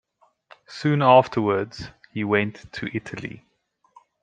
Soon afterwards he went to Italy.